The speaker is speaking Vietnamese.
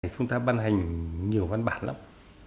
chúng ta ban hành nhiều văn bản lắm